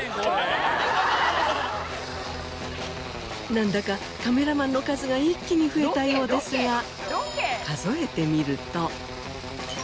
なんだかカメラマンの数が一気に増えたようですが数えてみると。